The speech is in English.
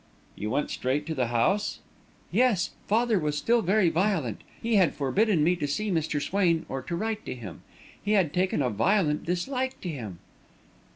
"You went straight to the house?" "Yes; father was still very violent. He had forbidden me to see Mr. Swain or to write to him. He had taken a violent dislike to him."